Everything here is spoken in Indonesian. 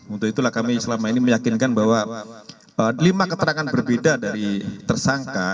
untuk itulah kami selama ini meyakinkan bahwa lima keterangan berbeda dari tersangka